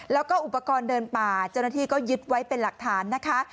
แล้วก็อุปกรณ์เดินป่าเจ้าหน้าที่ก็ยึดไว้เป็นหลักฐานนะคะ